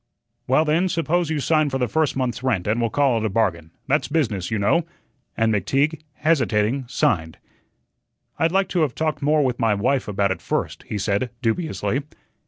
"Well, then, suppose you sign for the first month's rent, and we'll call it a bargain. That's business, you know," and McTeague, hesitating, signed. "I'd like to have talked more with my wife about it first," he said, dubiously.